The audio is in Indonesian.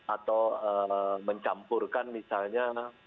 atau mencampurkan misalnya